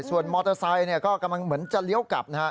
ส่วนมอเตอร์ไซค์ก็เหมือนจะเลี้ยวกลับ